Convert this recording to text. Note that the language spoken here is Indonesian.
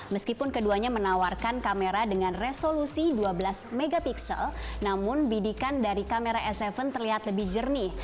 meskipun keduanya menawarkan kamera dengan resolusi dua belas mp namun bidikan dari kamera s tujuh terlihat lebih jernih